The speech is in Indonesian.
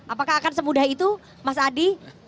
apakah akan semudah itu mas adi